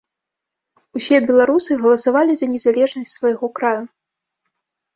Усе беларусы галасавалі за незалежнасць свайго краю.